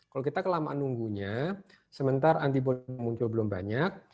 kalau kita kelamaan nunggunya sementara antibody muncul belum banyak